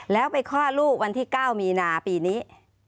แล้วไปคลอดลูกวันที่๙มีนาปีนี้